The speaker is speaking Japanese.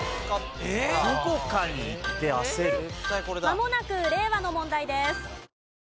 まもなく令和の問題です。